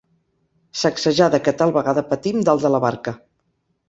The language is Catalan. Sacsejada que tal vegada patim dalt de la barca.